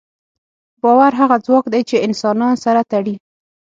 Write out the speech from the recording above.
باور هغه ځواک دی، چې انسانان سره تړي.